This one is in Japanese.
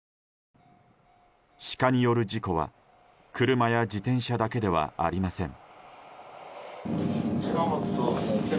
シカによる事故は車や自転車だけではありません。